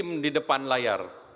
tim di depan layar